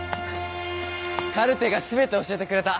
カルテが全て教えてくれた。